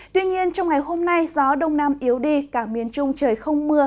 tuy nhiên trong ngày hôm nay gió đông nam yếu đi cả miền trung trời không mưa